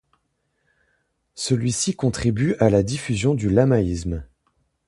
Celui-ci contribue à la diffusion du lamaïsme.